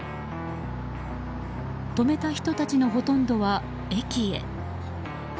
止めた人たちのほとんどは駅へ。